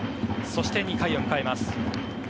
そして、２回を迎えます。